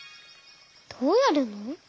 どうやるの？